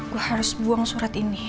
gue harus buang surat ini